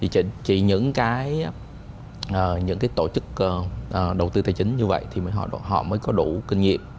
chỉ những tổ chức đầu tư tài chính như vậy thì họ mới có đủ kinh nghiệm